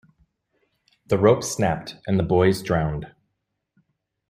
The rope snapped, and the boys drowned.